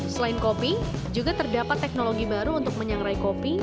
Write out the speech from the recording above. selain kopi juga terdapat teknologi baru untuk menyangrai kopi